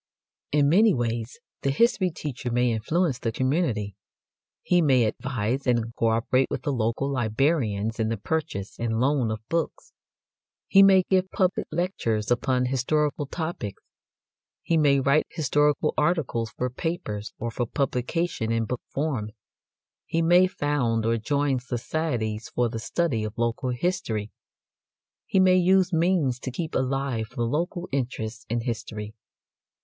In many ways the history teacher may influence the community. He may advise and co operate with the local librarians in the purchase and loan of books; he may give public lectures upon historical topics; he may write historical articles for papers or for publication in book form; he may found or join societies for the study of local history; he may use means to keep alive the local interest in history.